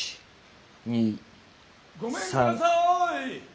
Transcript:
・ごめんください！